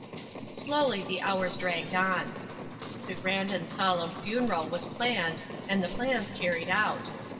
Slowly the hours dragged on. The grand and solemn funeral was planned and the plans carried out.